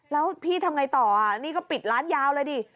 แล้วพี่ทำไงต่อนี่ก็ปิดร้านยาวเลยดิ